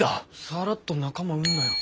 サラッと仲間売んなよ。